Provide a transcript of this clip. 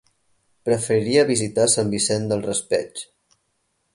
Preferiria visitar Sant Vicent del Raspeig.